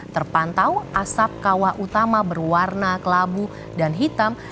terpantau asap kawah utama berwarna kelabu dan hitam